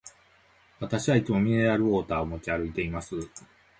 私はいつもミネラルウォーターを持ち歩いています。